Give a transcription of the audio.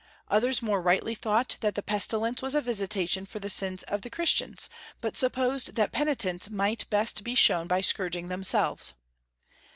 Others more rightly thought that the pestilence was a visitation for the sins of Christians, but supposed that penitence might best be shown by scourging themselves.